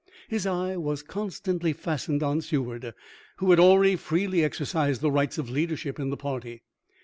His eye was con stantly fastened on Seward, who had already freely exercised the rights of leadership in the party.